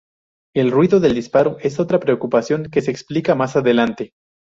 El ruido del disparo es otra preocupación, que se explicará más adelante.